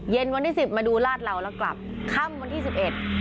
วันที่สิบมาดูลาดเหล่าแล้วกลับค่ำวันที่สิบเอ็ด